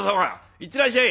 いってらっしゃい。